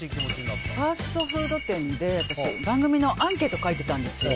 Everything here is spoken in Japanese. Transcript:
ファストフード店で私、番組のアンケートを書いてたんですよ。